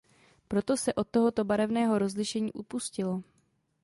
Proto se od tohoto barevného rozlišení upustilo.